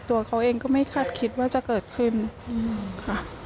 ตัวเขาเองก็ไม่คาดคิดว่าจะเกิดขึ้นค่ะ